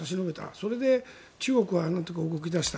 それで中国はなんとか動き出した。